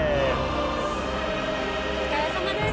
お疲れさまです。